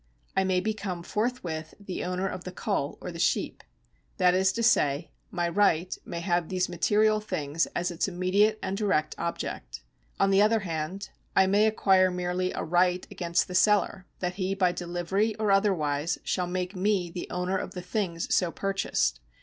I may become forthwith the owner of the coal or the sheep ; that is to say, my right may have these material things as its immediate and direct object. On the other hand, I may acquire merely a right against the seller, that he by delivery or otherwise shall make me the owner of the things so pur chased.